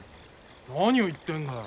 何を言ってんだ。